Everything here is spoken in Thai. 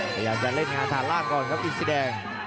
พยายามจะเล่นงานฐานล่างก่อนครับอินสีแดง